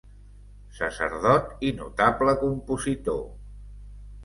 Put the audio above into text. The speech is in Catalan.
Sacerdot i notable compositor.